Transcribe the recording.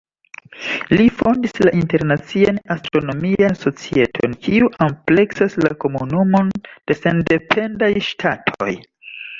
Li fondis la Internacian Astronomian Societon, kiu ampleksas la Komunumon de Sendependaj Ŝtatoj.